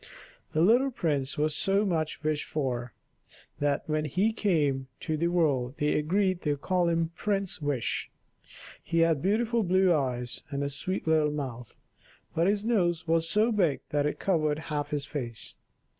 The little prince was so much wished for, that when he came into the world they agreed to call him Prince Wish. He had beautiful blue eyes and a sweet little mouth, but his nose was so big that it covered half his face.